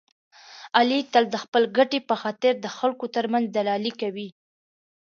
علي تل د خپلې ګټې په خاطر د خلکو ترمنځ دلالي کوي.